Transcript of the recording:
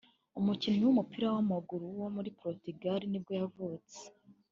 umukinnyi w’umupira w’amaguru wo muri Portugal ni bwo yavutse